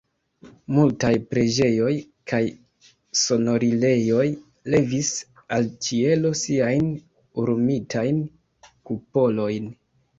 Multaj preĝejoj kaj sonorilejoj levis al ĉielo siajn orumitajn kupolojn.